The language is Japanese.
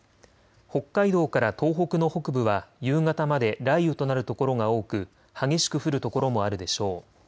北海道から東北の北部は夕方まで雷雨となる所が多く激しく降る所もあるでしょう。